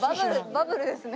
バブルですね。